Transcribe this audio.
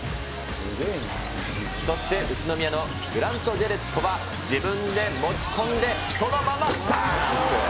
そして宇都宮のグラント・ジェレットは自分で持ち込んで、そのままダンク。